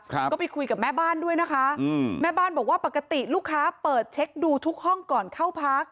ครับก็ไปคุยกับแม่บ้านด้วยนะคะอืมแม่บ้านบอกว่าปกติลูกค้าเปิดเช็คดูทุกห้องก่อนเข้าพัก